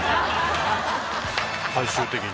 最終的に。